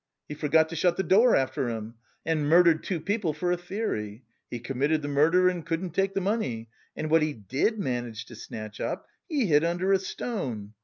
He forgot to shut the door after him, and murdered two people for a theory. He committed the murder and couldn't take the money, and what he did manage to snatch up he hid under a stone.